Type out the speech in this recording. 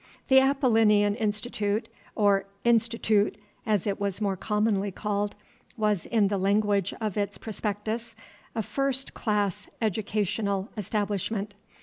The Apollinean Institute, or Institoot, as it was more commonly called, was, in the language of its Prospectus, a "first class Educational Establishment."